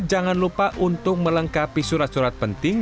jangan lupa untuk melengkapi surat surat penting